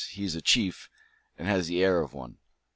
He is a chief, and has the air of one."